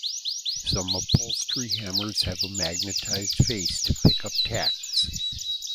Some upholstery hammers have a magnetized face, to pick up tacks.